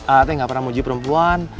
a a teh gak pernah mau uji perempuan